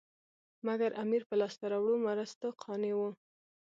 مګر امیر په لاسته راوړو مرستو قانع وو.